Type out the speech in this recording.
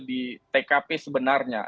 di tkp sebenarnya